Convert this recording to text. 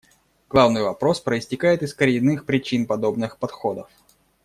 Главный вопрос проистекает из коренных причин подобных подходов.